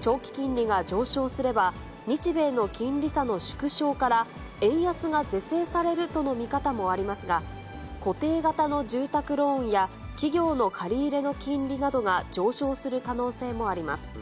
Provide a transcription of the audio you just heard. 長期金利が上昇すれば日米の金利差の縮小から、円安が是正されるとの見方もありますが、固定型の住宅ローンや、企業の借り入れの金利などが上昇する可能性もあります。